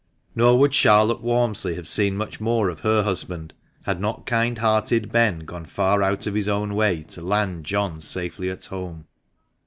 Nor would Charlotte Walmsley have seen much more of her husband, had not kind hearted Ben gone far out of his own way to land John safely at home.